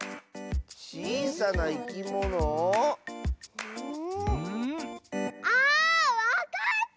ちいさないきもの？あわかった！